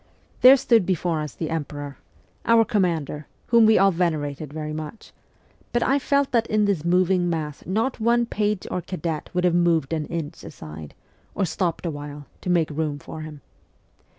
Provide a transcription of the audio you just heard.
There stood before us the emperor our commander, whom we all venerated very much ; but I felt that in this moving mass not one page or cadet would have moved an inch aside, or stopped awhile, to make room for him.